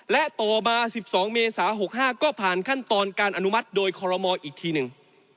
และต่อมา๑๒เมษา๖๕ก็ผ่านขั้นตอนการอนุมัติโดยคอลโมอีกทีหนึ่ง